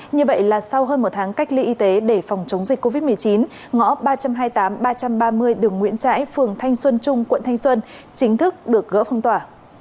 như vậy là sau hơn một tháng cách ly y tế để phòng chống dịch covid một mươi chín ngõ ba trăm hai mươi tám ba trăm ba mươi đường nguyễn trãi phường thanh xuân trung quận thanh xuân chính thức được gỡ phong tỏa